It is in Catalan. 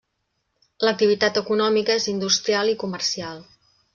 L'activitat econòmica és industrial i comercial.